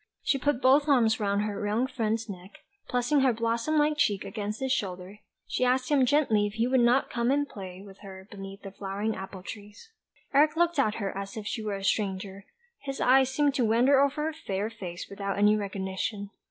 She put both arms round her young friend's neck, and pressing her blossom like cheek against his shoulder, she asked him gently if he would not come and play with her beneath the flowering apple trees. Eric looked at her as if she were a stranger; his eyes seemed to wander over her fair face without any recognition.